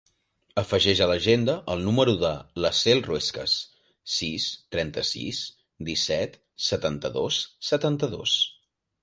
Afegeix a l'agenda el número de l'Aseel Ruescas: sis, trenta-sis, disset, setanta-dos, setanta-dos.